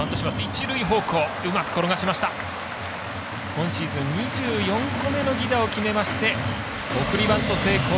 今シーズン２４個目の犠打を決めまして送りバント成功。